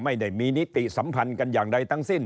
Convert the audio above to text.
ไม่ได้มีนิติสัมพันธ์กันอย่างใดทั้งสิ้น